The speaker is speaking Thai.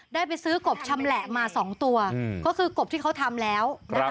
ได้ไปซื้อกบชำแหละมา๒ตัวก็คือกบที่เขาทำแล้วนะคะ